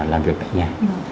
làm việc tại nhà